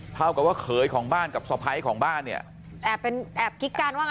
เท่ากับว่าเขยของบ้านกับสะพ้ายของบ้านเนี่ยแอบเป็นแอบกิ๊กกันว่าไง